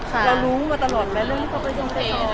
เรารู้มาตลอดไหมแล้วว่าเขาไปซ้อมไปซ้อม